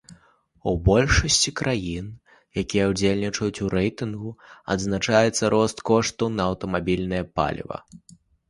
У большасці краін, якія ўдзельнічаюць у рэйтынгу, адзначаецца рост коштаў на аўтамабільнае паліва.